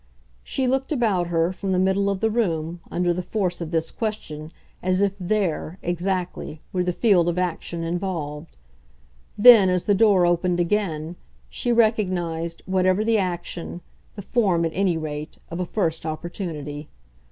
She looked about her, from the middle of the room, under the force of this question, as if THERE, exactly, were the field of action involved. Then, as the door opened again, she recognised, whatever the action, the form, at any rate, of a first opportunity.